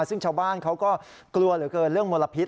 ซึ่งชาวบ้านเขาก็กลัวเหลือเกินเรื่องมลพิษ